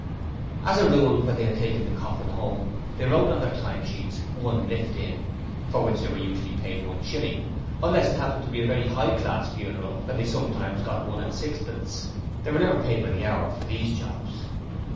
As a rule when they had taken a coffin home, they wrote on their time sheets, 'One lift in', for which they were usually paid one shilling, unless it happened to be a very high class funeral, when they sometimes got one and sixpence. They were never paid by the hour for these jobs.